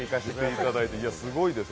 いや、すごいですよ。